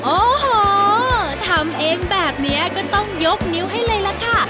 โอ้โหทำเองแบบนี้ก็ต้องยกนิ้วให้เลยล่ะค่ะ